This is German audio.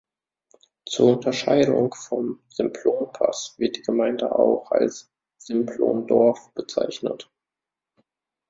Zur Unterscheidung vom Simplonpass wird die Gemeinde auch als "Simplon Dorf" bezeichnet.